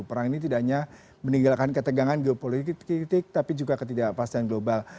perang ini tidak hanya meninggalkan ketegangan geopolitik kritik tapi juga ketidakpastian global